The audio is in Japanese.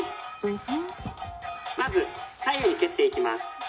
まず左右に蹴っていきます。